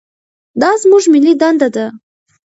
دا زموږ ملي دنده ده.